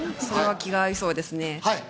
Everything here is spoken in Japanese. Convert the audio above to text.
それは気が合いそうですね。